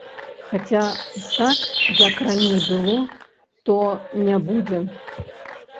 Хаця так, як раней было, то не будзе.